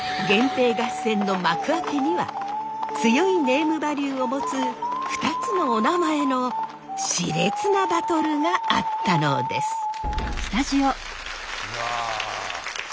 源平合戦の幕開けには強いネームバリューを持つ２つのおなまえのしれつなバトルがあったのです。